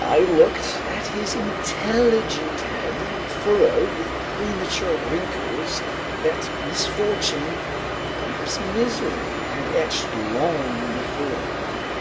I looked at his intelligent head, furrowed with premature wrinkles that misfortune, perhaps misery, had etched long before.